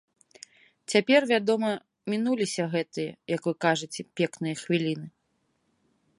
Цяпер, вядома, мінуліся гэтыя, як вы кажаце, пекныя хвіліны.